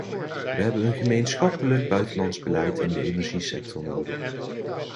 We hebben een gemeenschappelijk buitenlands beleid in de energiesector nodig.